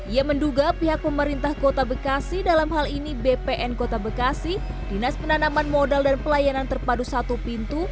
ia menduga pihak pemerintah kota bekasi dalam hal ini bpn kota bekasi dinas penanaman modal dan pelayanan terpadu satu pintu